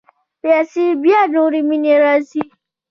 پسې بیا نورې مینې راځي.